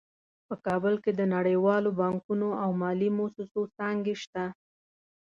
په کابل کې د نړیوالو بانکونو او مالي مؤسسو څانګې شته